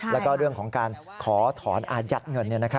แล้วก็เรื่องของการขอถอนอาญาตเงินเนี่ย